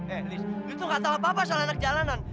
eh liz lu tuh ga tau apa apa soal anak jalanan